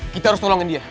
kita harus tolongin dia